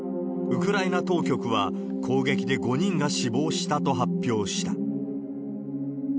ウクライナ当局は、攻撃で５人が死亡したと発表した。